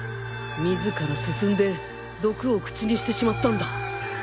自ら進んで毒を口にしてしまったんだ